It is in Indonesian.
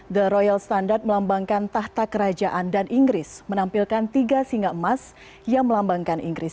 the royal standard melambangkan tahta kerajaan dan inggris menampilkan tiga singa emas yang melambangkan inggris